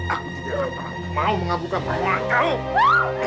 aku tidak akan terangkan mau mengabukkan perbuatan kau